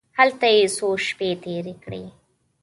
هلته یې څو شپې تېرې کړې.